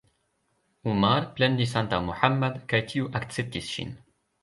Umar plendis antaŭ Muhammad kaj tiu akceptis ŝin.